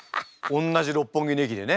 おんなじ六本木の駅でね。